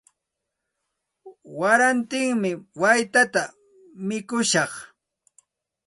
Warantimi waytata mikushaq.